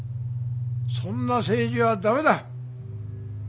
そんな政治は駄目だ。